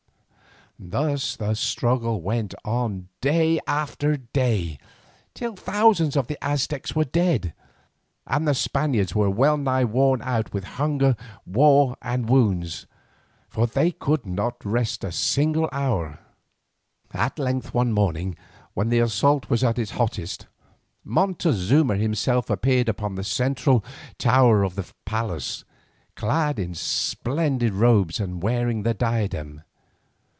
Thus the struggle went on day after day, till thousands of the Aztecs were dead, and the Spaniards were well nigh worn out with hunger, war, and wounds, for they could not rest a single hour. At length one morning, when the assault was at its hottest, Montezuma himself appeared upon the central tower of the palace, clad in splendid robes and wearing the diadem.